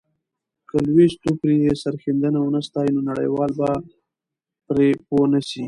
که لويس دوپري یې سرښندنه ونه ستایي، نو نړیوال به پرې پوه نه سي.